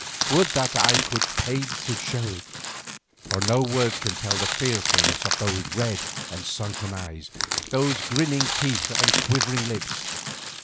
Would that I could paint to show it, for no words can tell the fearfulness of those red and sunken eyes, those grinning teeth and quivering lips.